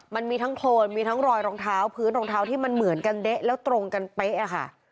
มันมีทั้งโครนมีทั้งรอยรองเท้าพื้นรองเท้าที่มันเหมือนกันเด๊ะแล้วตรงกันเป๊ะอะค่ะ